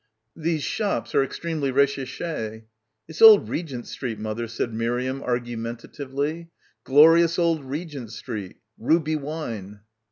"These shops are extremely recherche." "It's old Regent Street, mother," said Miriam argumentatively. "Glorious old Regent Street. Ruby wine."